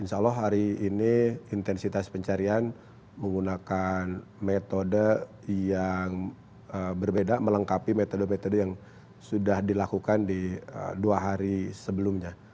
insya allah hari ini intensitas pencarian menggunakan metode yang berbeda melengkapi metode metode yang sudah dilakukan di dua hari sebelumnya